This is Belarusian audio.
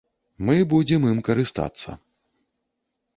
Мы будзем ім карыстацца.